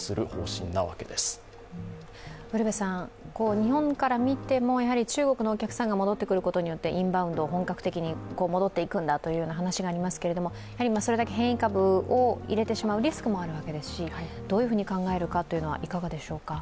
日本から見ても、中国のお客さんが戻ってくることによってインバウンド、本格的に戻っていくんだという動きがありますけれどもそれだけ変異株を入れてしまうリスクもあるわけですしどういうふうに考えるかというのは、いかがでしょうか。